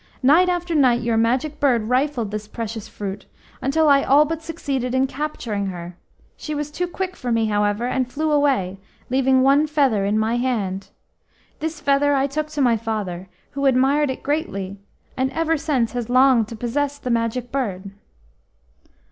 Night after night your Magic Bird rifled this precious fruit, until I all but succeeded in capturing her. She was too quick for me, however, and flew away, leaving one feather in my hand. This feather I took to my father, who admired it greatly, and ever since has longed to possess the Magic Bird."